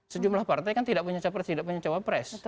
sejumlah partai kan tidak punya capres tidak punya cawapres